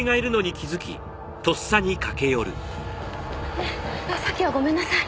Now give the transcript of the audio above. ねぇさっきはごめんなさい。